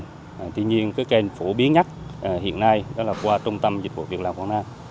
thông qua rất là nhiều kênh tuy nhiên kênh phổ biến nhất hiện nay là qua trung tâm dịch vụ việc làm quảng nam